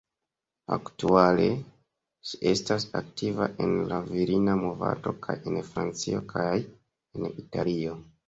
Aktuale, ŝi estas aktiva en la Virina Movado kaj en Francio kaj en Italio.